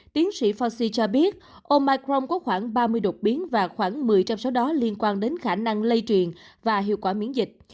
tiến sĩ faci cho biết omicron có khoảng ba mươi đột biến và khoảng một mươi trong số đó liên quan đến khả năng lây truyền và hiệu quả miễn dịch